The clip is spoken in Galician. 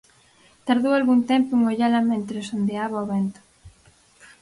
Tardou algún tempo en ollala mentres ondeaba ó vento.